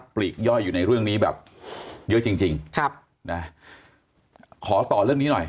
ปลีกย่อยอยู่ในเรื่องนี้แบบเยอะจริงจริงครับนะขอต่อเรื่องนี้หน่อย